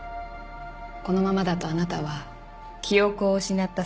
このままだとあなたは記憶を失った殺人犯になるわ。